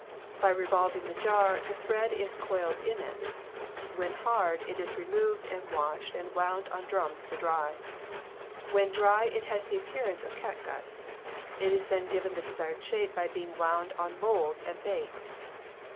By re volving the jar, the thread is coiled in it. When hard, it is removed and washed and wound on drums to dry. When dry it has the appearance of catgut. It is then given the desired shape by being wound on molds and baked.